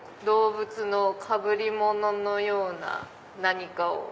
動物のかぶりもののような何かを。